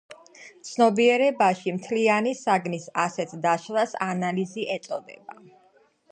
ცნობიერებაში მთლიანი საგნის ასეთ დაშლას ანალიზი ეწოდება.